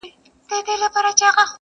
قلندر ته کار مهم د تربیت وو-